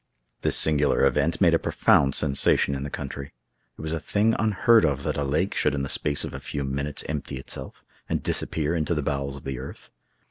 This singular event made a profound sensation in the country. It was a thing unheard of that a lake should in the space of a few minutes empty itself, and disappear into the bowels of the earth.